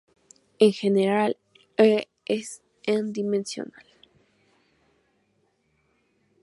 En general, "E" es n-dimensional.